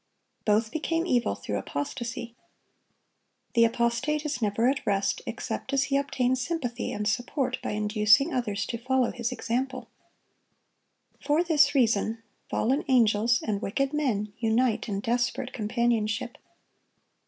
Both became evil through apostasy. The apostate is never at rest, except as he obtains sympathy and support by inducing others to follow his example. For this reason, fallen angels and wicked men unite in desperate companionship.